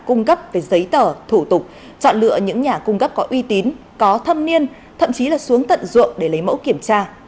các nhà công cấp về giấy tờ thủ tục chọn lựa những nhà công cấp có uy tín có thâm niên thậm chí là xuống tận ruộng để lấy mẫu kiểm tra